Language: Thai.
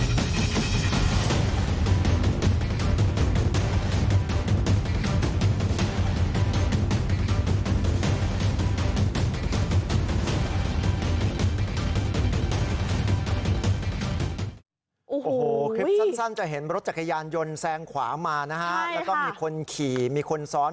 โอ้โหคลิปสั้นจะเห็นรถจักรยานยนต์แซงขวามานะฮะแล้วก็มีคนขี่มีคนซ้อน